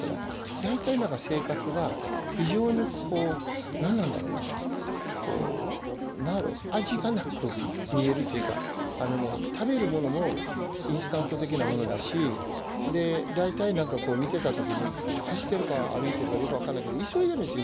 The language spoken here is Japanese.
大体生活が非常にこう何なんだろうなこう味がなく見えるというかあのね食べるものもインスタント的なものだしで大体なんか見てた時に走ってるか歩いてるかよく分かんないけど急いでるんですよ